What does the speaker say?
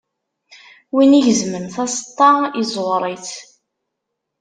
Win igezmen taseṭṭa, izzuɣer-itt.